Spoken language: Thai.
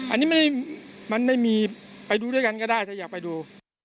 อันนี้มันไม่มีไปดูด้วยกันก็ได้ถ้าอยากไปดู